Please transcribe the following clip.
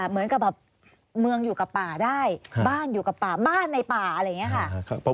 เหมือนกับแบบเมืองอยู่กับป่าได้บ้านอยู่กับป่าบ้านในป่าอะไรอย่างนี้ค่ะ